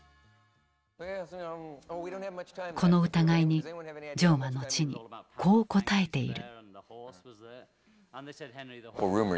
この疑いにジョンは後にこう答えている。